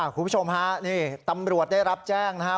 คุณผู้ชมฮะนี่ตำรวจได้รับแจ้งนะครับ